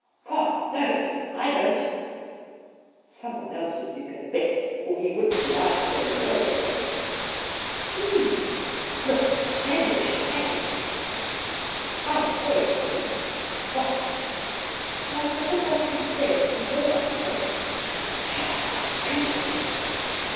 ' God knows ! I don't !'' Someone else's, you can bet, or he wouldn't lie so low, eh ?'' H'm ! looks devilish like it.' ' I say. Heron,' 'What?' .' I wonder what he'd say if he heard us, eh?' ' Shut up, man ; go to sleep